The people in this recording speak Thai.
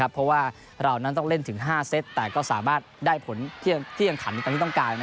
เพราะว่าเรานั้นต้องเล่นถึง๕เซตแต่ก็สามารถได้ผลที่แข่งขันตามที่ต้องการ